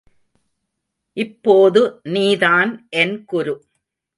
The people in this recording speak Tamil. இப்போது நீதான் என் குரு.